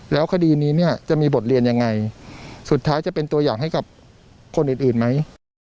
แล้วคดีนี้เนี่ยจะมีบทเรียนยังไงสุดท้ายจะเป็นตัวอย่างให้กับคนอื่นไหม